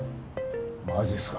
マジっすか？